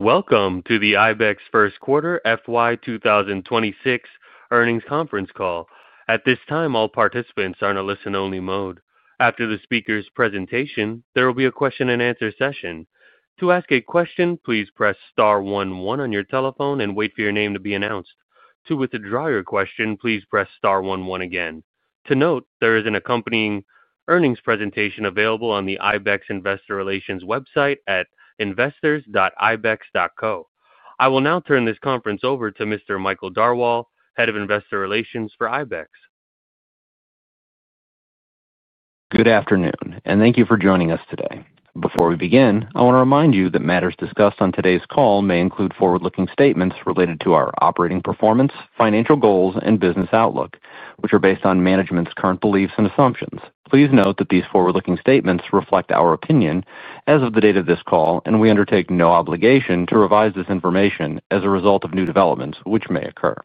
Welcome to the IBEX First Quarter FY 2026 Earnings Conference Call. At this time, all participants are in a listen-only mode. After the speaker's presentation, there will be a question-and-answer session. To ask a question, please press star 11 on your telephone and wait for your name to be announced. To withdraw your question, please press star 11 again. To note, there is an accompanying earnings presentation available on the IBEX Investor Relations website at investors.ibex.co. I will now turn this conference over to Mr. Michael Darwal, Head of Investor Relations for IBEX. Good afternoon, and thank you for joining us today. Before we begin, I want to remind you that matters discussed on today's call may include forward-looking statements related to our operating performance, financial goals, and business outlook, which are based on management's current beliefs and assumptions. Please note that these forward-looking statements reflect our opinion as of the date of this call, and we undertake no obligation to revise this information as a result of new developments which may occur.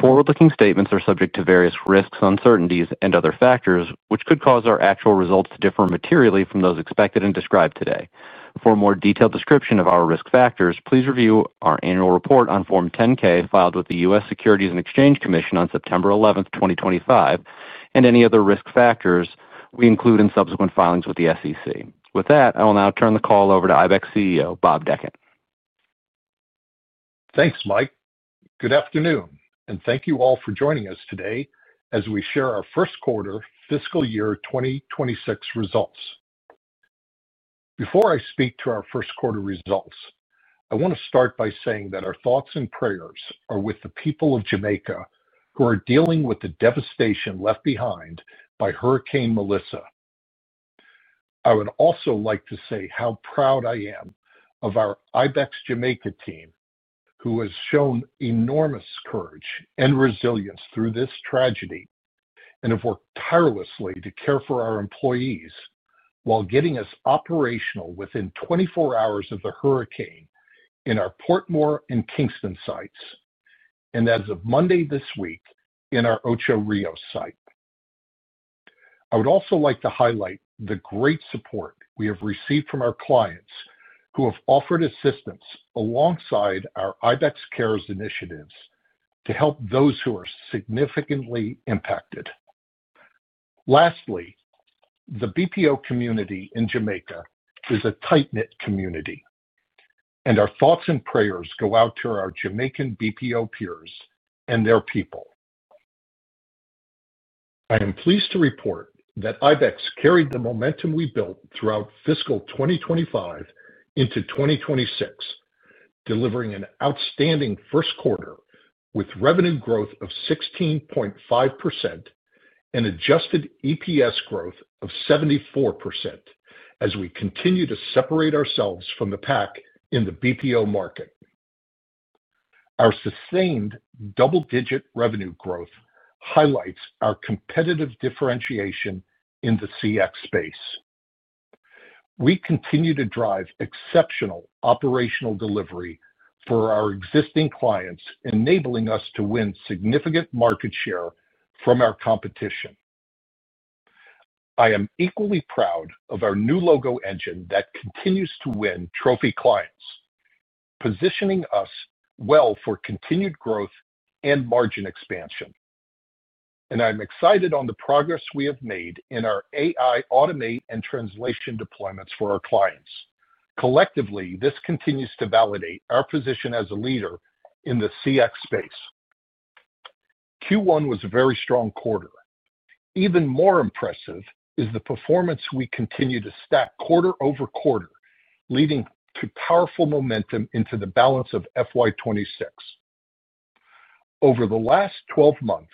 Forward-looking statements are subject to various risks, uncertainties, and other factors which could cause our actual results to differ materially from those expected and described today. For a more detailed description of our risk factors, please review our annual report on Form 10-K filed with the U.S. Securities and Exchange Commission on September 11, 2025, and any other risk factors we include in subsequent filings with the SEC, With that, I will now turn the call over to IBEX CEO, Bob Dechant. Thanks, Mike. Good afternoon, and thank you all for joining us today as we share our first quarter fiscal year 2026 results. Before I speak to our first quarter results, I want to start by saying that our thoughts and prayers are with the people of Jamaica who are dealing with the devastation left behind by Hurricane Melissa. I would also like to say how proud I am of our IBEX Jamaica team who has shown enormous courage and resilience through this tragedy and have worked tirelessly to care for our employees while getting us operational within 24 hours of the hurricane in our Port more and Kingston sites and as of Monday this week in our Ocho Rios site. I would also like to highlight the great support we have received from our clients who have offered assistance alongside our IBEX Cares initiatives to help those who are significantly impacted. Lastly, the BPO community in Jamaica is a tight-knit community, and our thoughts and prayers go out to our Jamaican BPO peers and their people. I am pleased to report that IBEX carried the momentum we built throughout fiscal 2025 into 2026. Delivering an outstanding first quarter with revenue growth of 16.5%. Adjusted EPS growth of 74% as we continue to separate ourselves from the pack in the BPO market. Our sustained double-digit revenue growth highlights our competitive differentiation in the CX space. We continue to drive exceptional operational delivery for our existing clients, enabling us to win significant market share from our competition. I am equally proud of our new logo engine that continues to win trophy clients, positioning us well for continued growth and margin expansion. I am excited about the progress we have made in our AI Automate and translation deployments for our clients. Collectively, this continues to validate our position as a leader in the CX space. Q1 was a very strong quarter. Even more impressive is the performance we continue to stack quarter over quarter, leading to powerful momentum into the balance of FY2026. Over the last 12 months,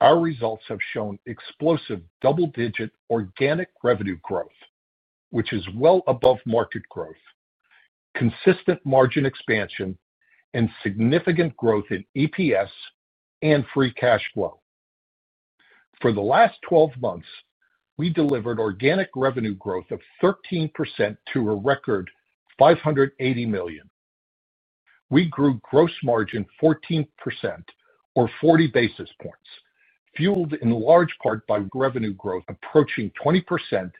our results have shown explosive double-digit organic revenue growth, which is well above market growth. Consistent margin expansion, and significant growth in EPS and free cash flow. For the last 12 months, we delivered organic revenue growth of 13% to a record $580 million. We grew gross margin 14% or 40 basis points, fueled in large part by revenue growth approaching 20%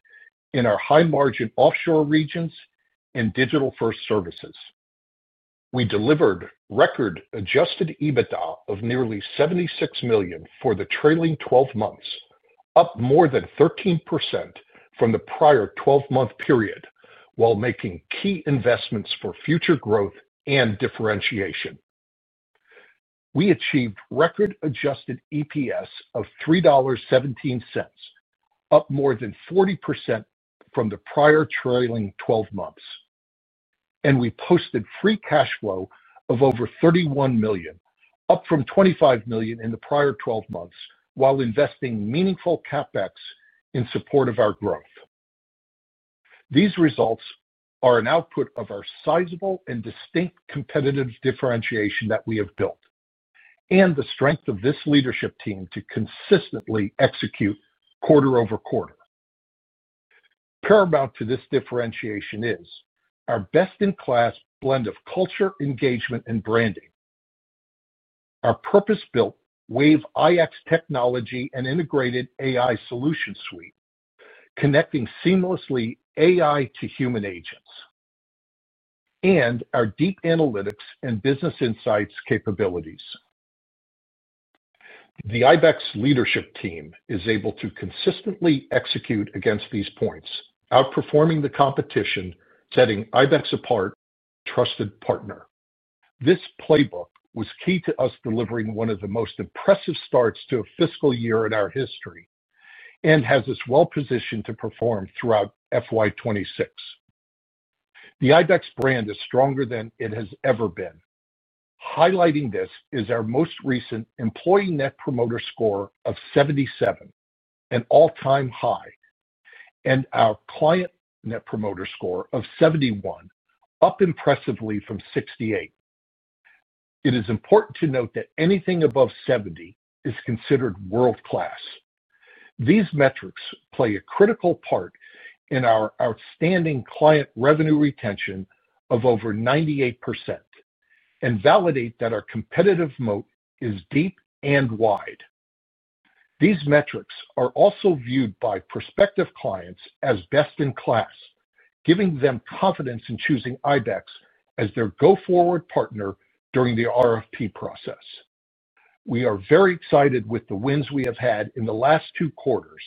in our high-margin offshore regions and digital-first services. We delivered record adjusted EBITDA of nearly $76 million for the trailing 12 months, up more than 13% from the prior 12-month period, while making key investments for future growth and differentiation. We achieved record-adjusted EPS of $3.17, up more than 40% from the prior trailing 12 months. We posted free cash flow of over $31 million, up from $25 million in the prior 12 months, while investing meaningful CapEx in support of our growth. These results are an output of our sizable and distinct competitive differentiation that we have built, and the strength of this leadership team to consistently execute quarter over quarter. Paramount to this differentiation is our best-in-class blend of culture, engagement, and branding. Our purpose-built Wave IX technology and integrated AI solution suite, connecting seamlessly AI to human agents. Our deep analytics and business insights capabilities. The IBEX leadership team is able to consistently execute against these points, outperforming the competition, setting IBEX apart as a trusted partner. This playbook was key to us delivering one of the most impressive starts to a fiscal year in our history and has us well-positioned to perform throughout FY2026. The IBEX brand is stronger than it has ever been. Highlighting this is our most recent employee Net Promoter Score of 77, an all-time high. Our client Net Promoter Score of 71, up impressively from 68. It is important to note that anything above 70 is considered world-class. These metrics play a critical part in our outstanding client revenue retention of over 98%. These metrics also validate that our competitive moat is deep and wide. These metrics are also viewed by prospective clients as best in class, giving them confidence in choosing IBEX as their go-forward partner during the RFP process. We are very excited with the wins we have had in the last two quarters,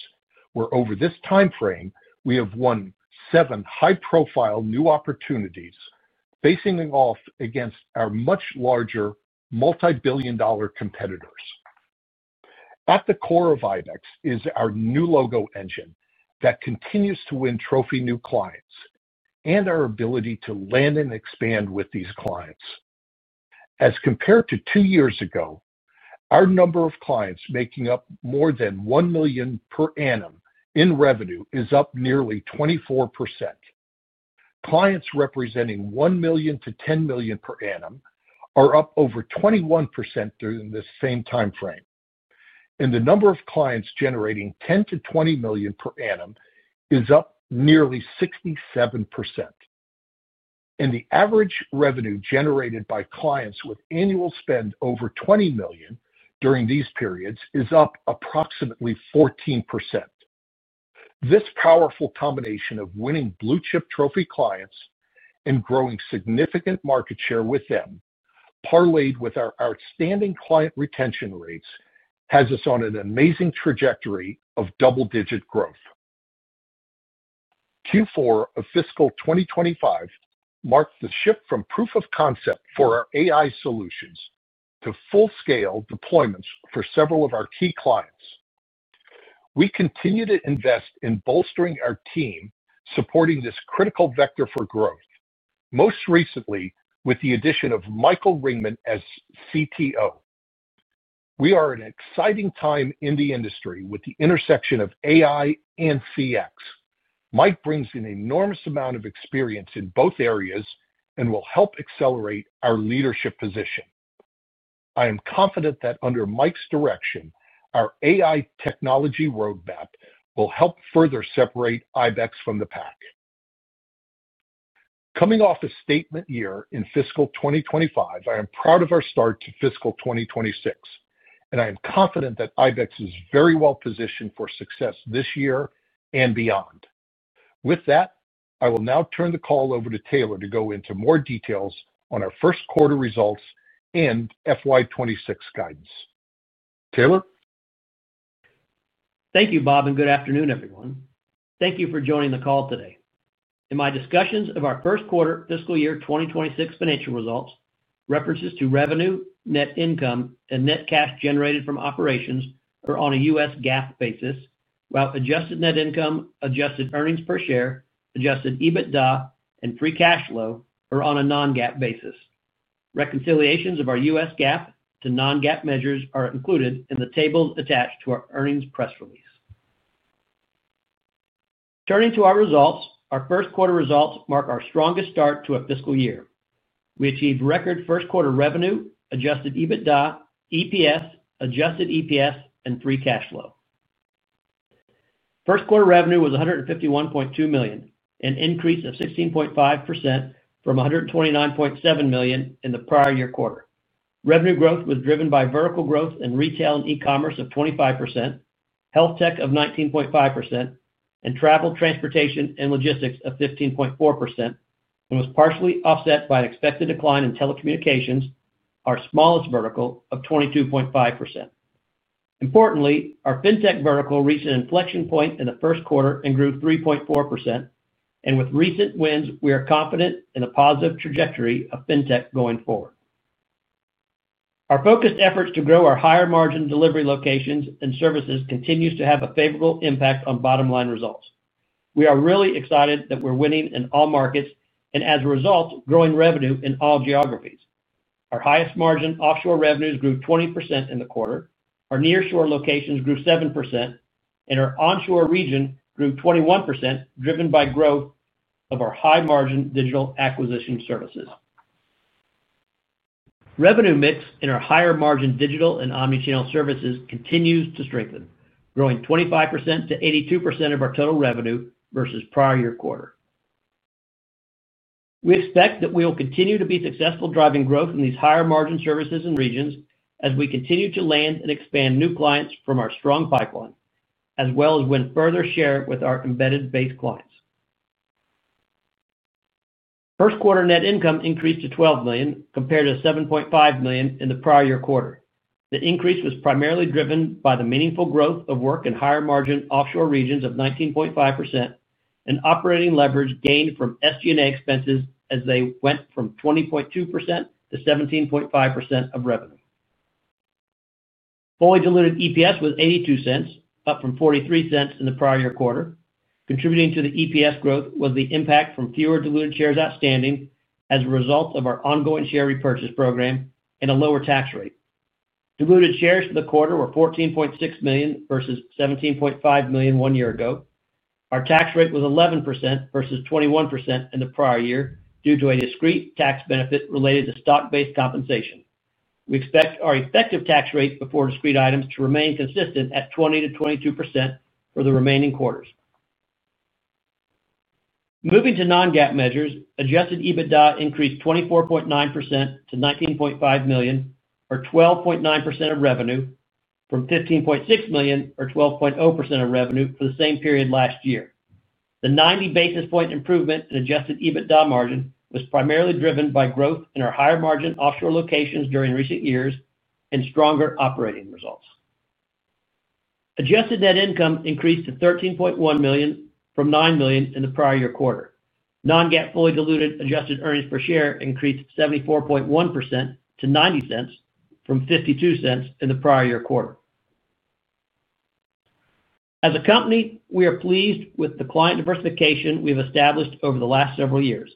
where over this time frame, we have won seven high-profile new opportunities, facing off against our much larger multi-billion dollar competitors. At the core of IBEX is our new logo engine that continues to win trophy new clients and our ability to land and expand with these clients. As compared to two years ago, our number of clients making up more than $1 million per annum in revenue is up nearly 24%. Clients representing $1 million-$10 million per annum are up over 21% during the same time frame. The number of clients generating $10 million-$20 million per annum is up nearly 67%. The average revenue generated by clients with annual spend over $20 million during these periods is up approximately 14%. This powerful combination of winning blue-chip trophy clients and growing significant market share with them, parlayed with our outstanding client retention rates, has us on an amazing trajectory of double-digit growth. Q4 of fiscal 2025 marked the shift from proof of concept for our AI solutions to full-scale deployments for several of our key clients. We continue to invest in bolstering our team, supporting this critical vector for growth, most recently with the addition of Michael Ringman as CTO. We are at an exciting time in the industry with the intersection of AI and CX. Mike brings an enormous amount of experience in both areas and will help accelerate our leadership position. I am confident that under Mike's direction, our AI technology roadmap will help further separate IBEX from the pack. Coming off a statement year in fiscal 2025, I am proud of our start to fiscal 2026, and I am confident that IBEX is very well positioned for success this year and beyond. With that, I will now turn the call over to Taylor to go into more details on our first quarter results and FY26 guidance. Taylor? Thank you, Bob, and good afternoon, everyone. Thank you for joining the call today. In my discussions of our first quarter fiscal year 2026 financial results, references to revenue, net income, and net cash generated from operations are on a US GAAP basis, while adjusted net income, adjusted earnings per share, adjusted EBITDA, and free cash flow are on a non-GAAP basis. Reconciliations of our US GAAP to non-GAAP measures are included in the table attached to our earnings press release. Turning to our results, our first quarter results mark our strongest start to a fiscal year. We achieved record first quarter revenue, adjusted EBITDA, EPS, adjusted EPS, and free cash flow. First quarter revenue was $151.2 million, an increase of 16.5% from $129.7 million in the prior year quarter. Revenue growth was driven by vertical growth in retail and e-commerce of 25%, health tech of 19.5%, and travel, transportation, and logistics of 15.4%, and was partially offset by an expected decline in telecommunications, our smallest vertical, of 22.5%. Importantly, our fintech vertical reached an inflection point in the first quarter and grew 3.4%, and with recent wins, we are confident in a positive trajectory of fintech going forward. Our focused efforts to grow our higher-margin delivery locations and services continue to have a favorable impact on bottom-line results. We are really excited that we're winning in all markets and, as a result, growing revenue in all geographies. Our highest-margin offshore revenues grew 20% in the quarter, our near-shore locations grew 7%, and our onshore region grew 21%, driven by growth of our high-margin digital acquisition services. Revenue mix in our higher-margin digital and omnichannel services continues to strengthen, growing 25% to 82% of our total revenue versus prior year quarter. We expect that we will continue to be successful driving growth in these higher-margin services and regions as we continue to land and expand new clients from our strong pipeline, as well as win further share with our embedded-based clients. First quarter net income increased to $12 million compared to $7.5 million in the prior year quarter. The increase was primarily driven by the meaningful growth of work in higher-margin offshore regions of 19.5% and operating leverage gained from SG&A expenses as they went from 20.2% to 17.5% of revenue. Fully diluted EPS was $0.82, up from $0.43 in the prior year quarter. Contributing to the EPS growth was the impact from fewer diluted shares outstanding as a result of our ongoing share repurchase program and a lower tax rate. Diluted shares for the quarter were 14.6 million versus 17.5 million one year ago. Our tax rate was 11% versus 21% in the prior year due to a discrete tax benefit related to stock-based compensation. We expect our effective tax rate before discrete items to remain consistent at 20-22% for the remaining quarters. Moving to non-GAAP measures, adjusted EBITDA increased 24.9% to $19.5 million, or 12.9% of revenue, from $15.6 million or 12.0% of revenue for the same period last year. The 90 basis point improvement in adjusted EBITDA margin was primarily driven by growth in our higher-margin offshore locations during recent years and stronger operating results. Adjusted net income increased to $13.1 million from $9 million in the prior year quarter. Non-GAAP fully diluted adjusted earnings per share increased 74.1% to $0.90 from $0.52 in the prior year quarter. As a company, we are pleased with the client diversification we have established over the last several years.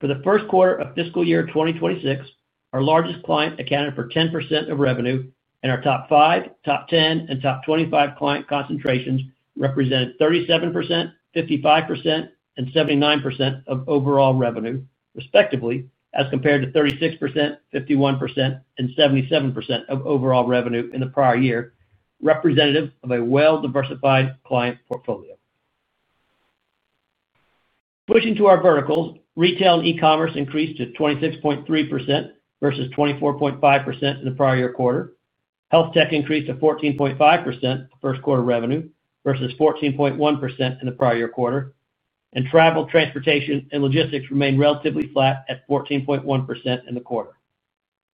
For the first quarter of fiscal year 2026, our largest client accounted for 10% of revenue, and our top 5, top 10, and top 25 client concentrations represented 37%, 55%, and 79% of overall revenue, respectively, as compared to 36%, 51%, and 77% of overall revenue in the prior year, representative of a well-diversified client portfolio. Switching to our verticals, retail and e-commerce increased to 26.3% versus 24.5% in the prior year quarter. Health tech increased to 14.5% of first quarter revenue versus 14.1% in the prior year quarter. Travel, transportation, and logistics remained relatively flat at 14.1% in the quarter.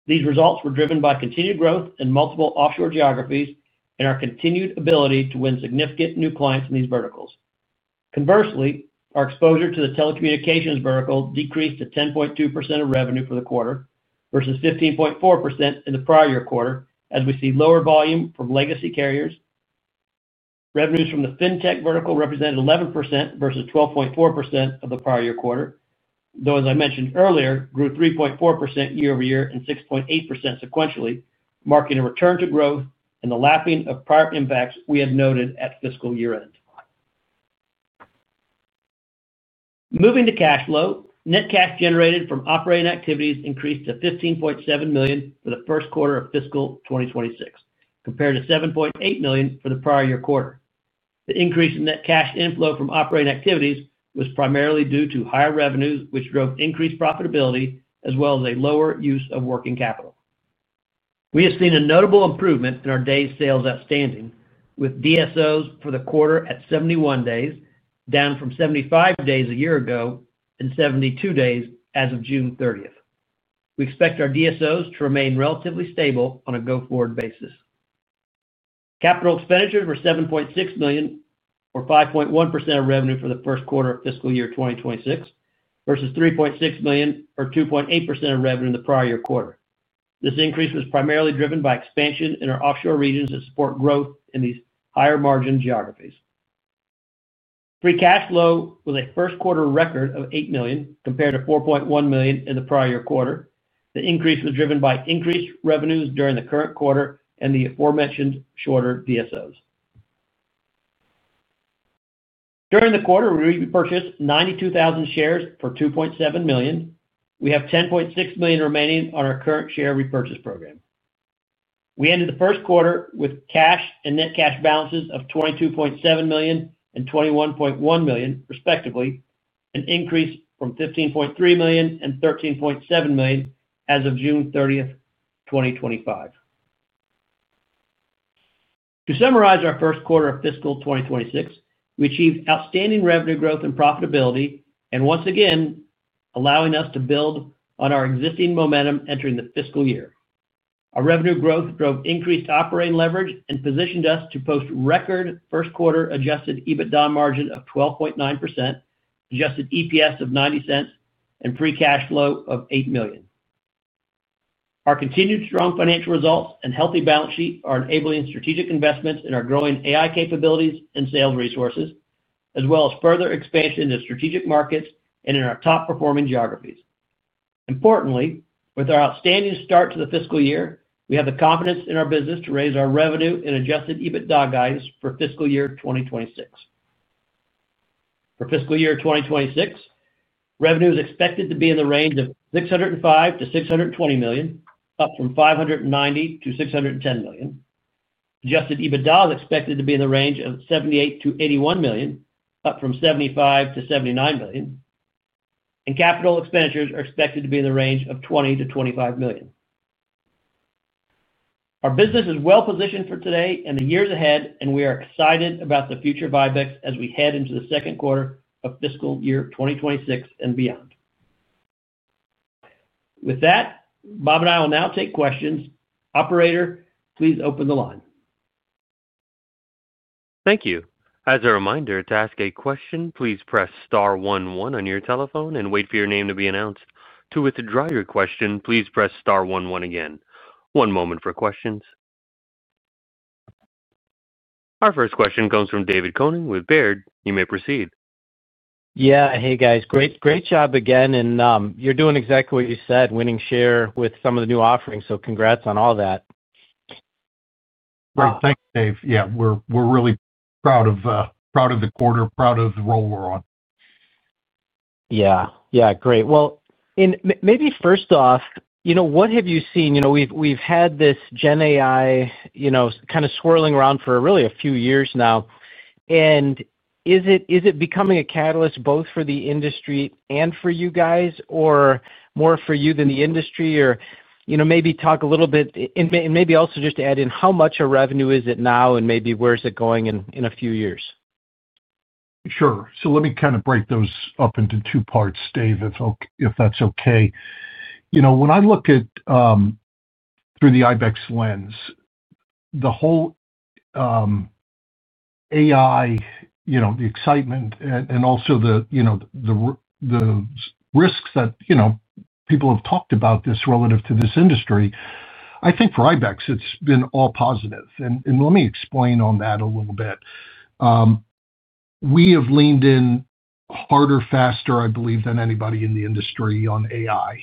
These results were driven by continued growth in multiple offshore geographies and our continued ability to win significant new clients in these verticals. Conversely, our exposure to the telecommunications vertical decreased to 10.2% of revenue for the quarter versus 15.4% in the prior year quarter, as we see lower volume from legacy carriers. Revenues from the fintech vertical represented 11% versus 12.4% of the prior year quarter, though, as I mentioned earlier, grew 3.4% Year-over-Year and 6.8% sequentially, marking a return to growth and the lapping of prior impacts we had noted at fiscal year-end. Moving to cash flow, net cash generated from operating activities increased to $15.7 million for the first quarter of fiscal 2026, compared to $7.8 million for the prior year quarter. The increase in net cash inflow from operating activities was primarily due to higher revenues, which drove increased profitability, as well as a lower use of working capital. We have seen a notable improvement in our days sales outstanding, with DSOs for the quarter at 71 days, down from 75 days a year ago and 72 days as of June 30. We expect our DSOs to remain relatively stable on a go-forward basis. Capital expenditures were $7.6 million, or 5.1% of revenue for the first quarter of fiscal year 2026, versus $3.6 million, or 2.8% of revenue in the prior year quarter. This increase was primarily driven by expansion in our offshore regions that support growth in these higher-margin geographies. Free cash flow was a first quarter record of $8 million, compared to $4.1 million in the prior year quarter. The increase was driven by increased revenues during the current quarter and the aforementioned shorter DSOs. During the quarter, we repurchased 92,000 shares for $2.7 million. We have $10.6 million remaining on our current share repurchase program. We ended the first quarter with cash and net cash balances of $22.7 million and $21.1 million, respectively, an increase from $15.3 million and $13.7 million as of June 30th, 2025. To summarize our first quarter of fiscal 2026, we achieved outstanding revenue growth and profitability, and once again, allowing us to build on our existing momentum entering the fiscal year. Our revenue growth drove increased operating leverage and positioned us to post record first quarter adjusted EBITDA margin of 12.9%, adjusted EPS of $0.90, and free cash flow of $8 million. Our continued strong financial results and healthy balance sheet are enabling strategic investments in our growing AI capabilities and sales resources, as well as further expansion into strategic markets and in our top-performing geographies. Importantly, with our outstanding start to the fiscal year, we have the confidence in our business to raise our revenue and adjusted EBITDA guidance for fiscal year 2026. For fiscal year 2026, revenue is expected to be in the range of $605 million-$620 million, up from $590 million-$610 million. Adjusted EBITDA is expected to be in the range of $78 million-$81 million, up from $75 million-$79 million. Capital expenditures are expected to be in the range of $20 million-$25 million. Our business is well-positioned for today and the years ahead, and we are excited about the future of IBEX as we head into the second quarter of fiscal year 2026 and beyond. With that, Bob and I will now take questions. Operator, please open the line. Thank you. As a reminder, to ask a question, please press star 11 on your telephone and wait for your name to be announced. To withdraw your question, please press star 11 again. One moment for questions. Our first question comes from David Koning with Baird. You may proceed. Yeah. Hey, guys. Great, great job again. And you're doing exactly what you said, winning share with some of the new offerings, so congrats on all that. Great. Thanks, Dave. Yeah, we're really proud of the quarter, proud of the role we're on. Yeah. Yeah. Great. Maybe first off, what have you seen? We've had this GenAI kind of swirling around for really a few years now. Is it becoming a catalyst both for the industry and for you guys, or more for you than the industry? Maybe talk a little bit, and maybe also just to add in, how much of revenue is it now, and maybe where is it going in a few years? Sure. Let me kind of break those up into two parts, Dave, if that's okay. When I look at, through the IBEX lens, the whole AI excitement and also the risks that people have talked about relative to this industry, I think for IBEX, it's been all positive. Let me explain on that a little bit. We have leaned in harder, faster, I believe, than anybody in the industry on AI.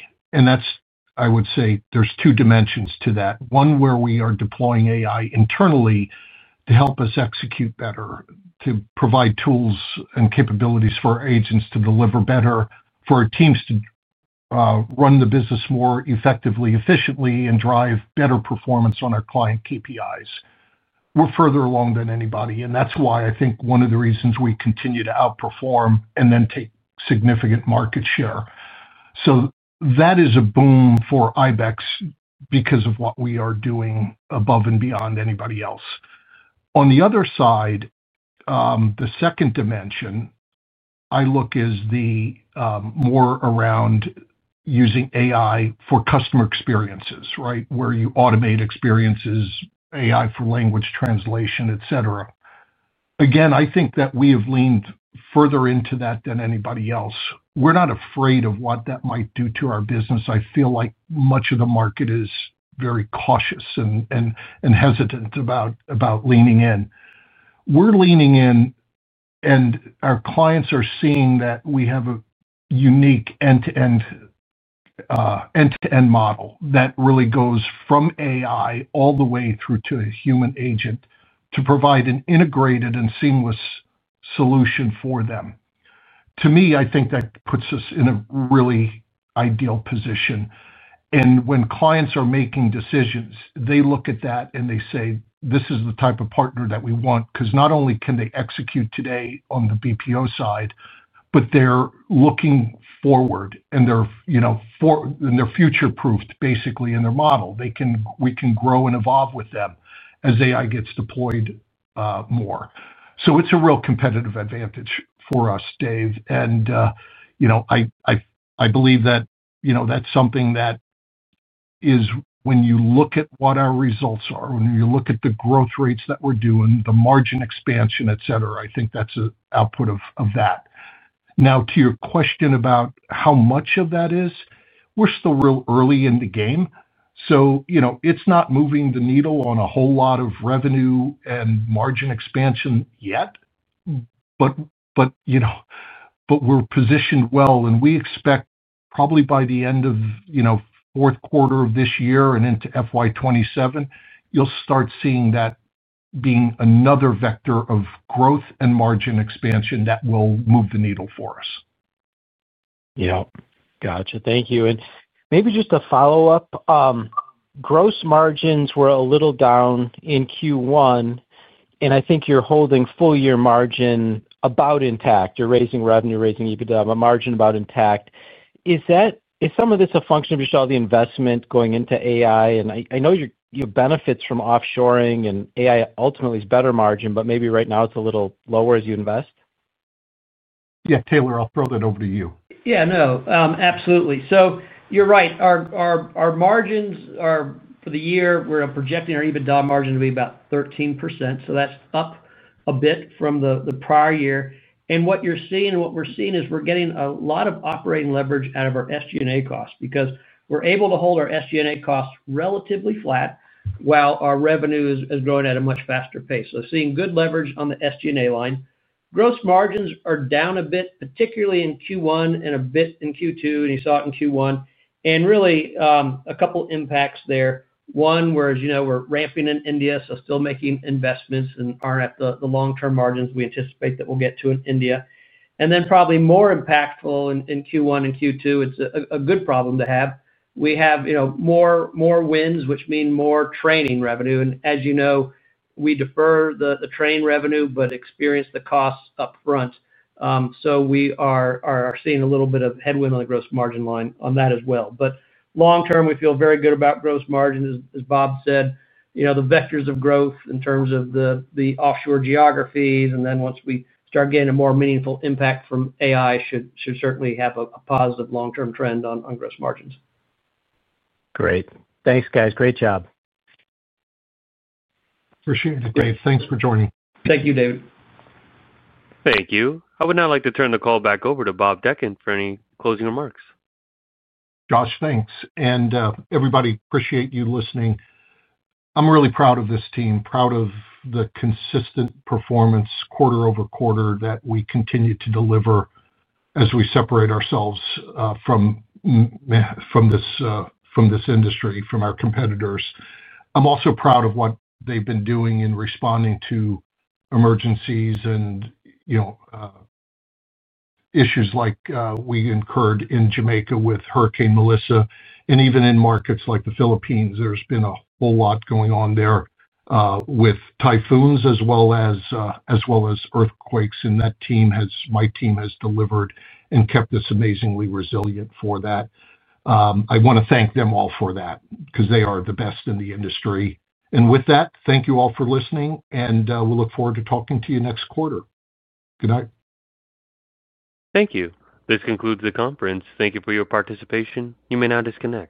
I would say there's two dimensions to that. One, where we are deploying AI internally to help us execute better, to provide tools and capabilities for our agents to deliver better, for our teams to run the business more effectively, efficiently, and drive better performance on our client KPIs. We're further along than anybody, and that's why I think one of the reasons we continue to outperform and then take significant market share. That is a boom for IBEX because of what we are doing above and beyond anybody else. On the other side, the second dimension I look is more around using AI for customer experiences, right, where you automate experiences, AI for language translation, etc. Again, I think that we have leaned further into that than anybody else. We're not afraid of what that might do to our business. I feel like much of the market is very cautious and hesitant about leaning in. We're leaning in. Our clients are seeing that we have a unique end-to-end model that really goes from AI all the way through to a human agent to provide an integrated and seamless solution for them. To me, I think that puts us in a really ideal position. When clients are making decisions, they look at that and they say, "This is the type of partner that we want," because not only can they execute today on the BPO side, but they're looking forward and they're future-proofed, basically, in their model. We can grow and evolve with them as AI gets deployed more. It is a real competitive advantage for us, Dave. I believe that is something that, when you look at what our results are, when you look at the growth rates that we're doing, the margin expansion, etc., I think that's an output of that. Now, to your question about how much of that is, we're still real early in the game. It is not moving the needle on a whole lot of revenue and margin expansion yet. We are positioned well, and we expect probably by the end of. Fourth quarter of this year and into FY 2027, you'll start seeing that being another vector of growth and margin expansion that will move the needle for us. Yeah. Gotcha. Thank you. Maybe just a follow-up. Gross margins were a little down in Q1, and I think you're holding full-year margin about intact. You're raising revenue, raising EBITDA, but margin about intact. Is some of this a function of just all the investment going into AI? I know you've benefits from offshoring, and AI ultimately is better margin, but maybe right now it's a little lower as you invest? Yeah. Taylor, I'll throw that over to you. Yeah. No. Absolutely. You're right. Our margins for the year, we're projecting our EBITDA margin to be about 13%. That's up a bit from the prior year. What you're seeing and what we're seeing is we're getting a lot of operating leverage out of our SG&A costs because we're able to hold our SG&A costs relatively flat while our revenue is growing at a much faster pace. Seeing good leverage on the SG&A line. Gross margins are down a bit, particularly in Q1 and a bit in Q2, and you saw it in Q1. Really, a couple of impacts there. One, we're ramping in India, so still making investments and aren't at the long-term margins we anticipate that we'll get to in India. Then probably more impactful in Q1 and Q2, it's a good problem to have. We have more. Wins, which mean more training revenue. As you know, we defer the training revenue, but experience the costs upfront. We are seeing a little bit of headwind on the gross margin line on that as well. Long-term, we feel very good about gross margins, as Bob said. The vectors of growth in terms of the offshore geographies, and then once we start getting a more meaningful impact from AI, should certainly have a positive long-term trend on gross margins. Great. Thanks, guys. Great job. Appreciate it, Dave. Thanks for joining. Thank you, David. Thank you. I would now like to turn the call back over to Bob Dechant for any closing remarks. Josh, thanks. Everybody, appreciate you listening. I'm really proud of this team, proud of the consistent performance quarter over quarter that we continue to deliver as we separate ourselves from this industry, from our competitors. I'm also proud of what they've been doing in responding to emergencies and issues like we incurred in Jamaica with Hurricane Melissa. Even in markets like the Philippines, there's been a whole lot going on there with typhoons as well as earthquakes. My team has delivered and kept us amazingly resilient for that. I want to thank them all for that because they are the best in the industry. With that, thank you all for listening, and we'll look forward to talking to you next quarter. Good night. Thank you. This concludes the conference. Thank you for your participation. You may now disconnect.